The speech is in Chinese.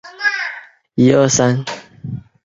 这显示安提阿在基督宗教历史上的意义。